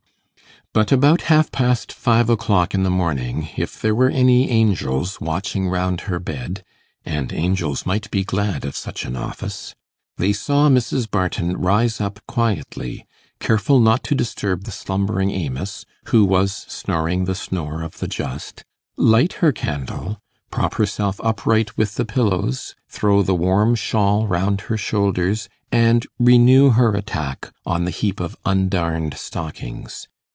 But about half past five o'clock in the morning, if there were any angels watching round her bed and angels might be glad of such an office they saw Mrs. Barton rise up quietly, careful not to disturb the slumbering Amos, who was snoring the snore of the just, light her candle, prop herself upright with the pillows, throw the warm shawl round her shoulders, and renew her attack on the heap of undarned stockings.